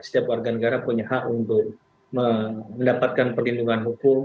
setiap warga negara punya hak untuk mendapatkan perlindungan hukum